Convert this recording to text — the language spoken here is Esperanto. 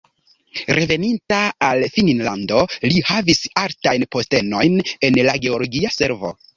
Reveninta al Finnlando li havis altajn postenojn en la geologia servo.